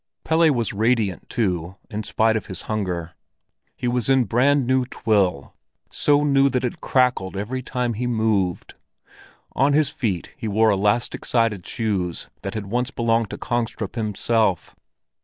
Pelle was radiant too, in spite of his hunger. He was in brand new twill, so new that it crackled every time he moved. On his feet he wore elastic sided shoes that had once belonged to Kongstrup himself.